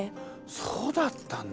そうだったんだ。